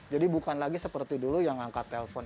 jadi bukan lagi seperti dulu yang angkat telpon